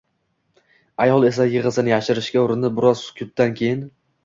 Ayol esa yig'isini yashirishga urinib, biroz sukutdan keyin